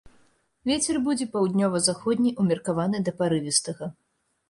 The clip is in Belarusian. Вецер будзе паўднёва-заходні ўмеркаваны да парывістага.